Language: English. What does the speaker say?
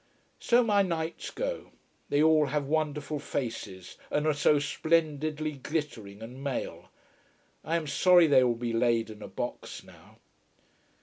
So my knights go. They all have wonderful faces, and are so splendidly glittering and male. I am sorry they will be laid in a box now.